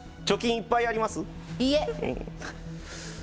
貯金いっぱいあります？